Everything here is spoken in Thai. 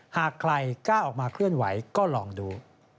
หากใครกล้าออกมาเคลื่อนไหวก็ลองดู